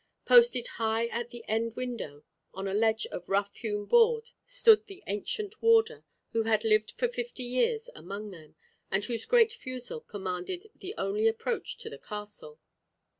Posted high at the end window on a ledge of rough hewn board, stood the ancient warder, who had lived for fifty years among them, and whose great fusil commanded the only approach to the castle.